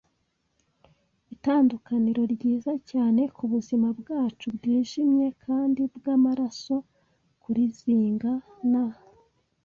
itandukaniro ryiza cyane kubuzima bwacu bwijimye kandi bwamaraso kurizinga; na